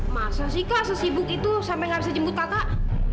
masa sih kak sesibuk itu sampai gak bisa jemput anak